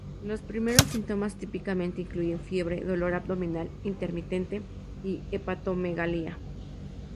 Los primeros síntomas típicamente incluyen fiebre, dolor abdominal intermitente, y hepatomegalia.